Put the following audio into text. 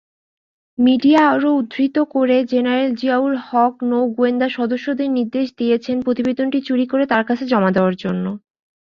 Media আরও উদ্ধৃত করে, জেনারেল জিয়া-উল-হক নৌ গোয়েন্দা সদস্যদের নির্দেশ দিয়েছিলেন প্রতিবেদনটি চুরি করে তার কাছে জমা দেয়ার জন্য।